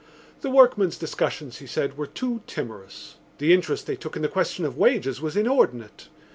The workmen's discussions, he said, were too timorous; the interest they took in the question of wages was inordinate.